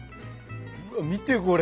見てこれ。